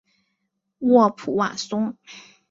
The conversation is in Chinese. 沃普瓦松。